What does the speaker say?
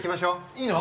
いいの？